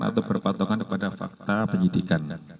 atau berpatongan kepada fakta penyidikan